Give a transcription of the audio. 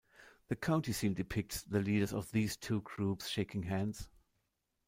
The county seal depicts the leaders of these two groups shaking hands.